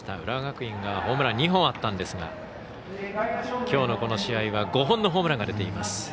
浦和学院がホームラン２本あったんですがきょうの、この試合は５本のホームランが出ています。